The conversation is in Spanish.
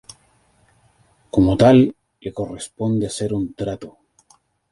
Como tal, le corresponde hacer un trato.